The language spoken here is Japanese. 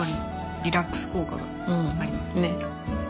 リラックス効果がありますね。